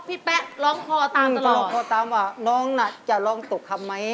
พี่แป๊ะร้องคอตามตลอดว่าน้องนักจะร้องตุกคำไหม